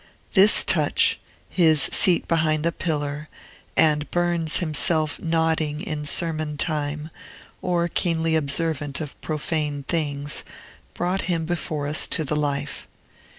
This touch his seat behind the pillar, and Burns himself nodding in sermon time, or keenly observant of profane things brought him before us to the life.